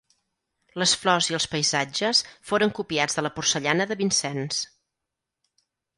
Les flors i els paisatges foren copiats de la porcellana de Vincennes.